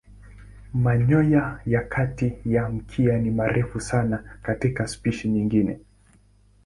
Manyoya ya kati ya mkia ni marefu sana katika spishi nyingine.